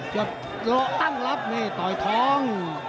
จะตั้งรับนี่ต่อยท้อง